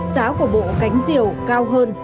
giá của bộ cánh diều cao hơn